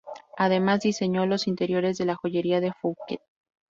Además, diseñó los interiores de la joyería de Fouquet.